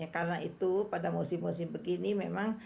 karena itu pada musim musim begini memang